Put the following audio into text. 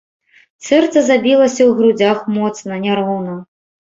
Сэрца забілася ў грудзях моцна, няроўна.